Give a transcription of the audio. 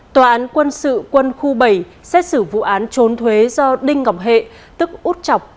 tòa án quân sự quân khu bảy xét xử vụ án trốn thuế do đinh ngọc hệ tức út chọc